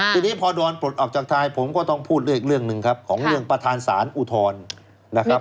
ทีนี้พอดอนปลดออกจากทายผมก็ต้องพูดเรื่องอีกเรื่องหนึ่งครับของเรื่องประธานศาลอุทธรณ์นะครับ